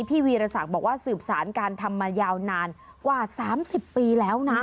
พี่วีรสังบอกว่าสืบสารการทำมายาวนานกว่าสามสิบปีแล้วนะ